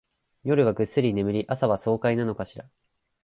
夜はぐっすり眠り、朝は爽快なのかしら